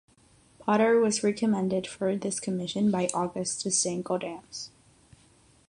Potter was recommended for this commission by Augustus Saint-Gaudens.